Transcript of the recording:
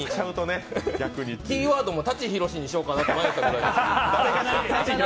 キーワードも舘ひろしにしようかなって迷ったぐらいだし。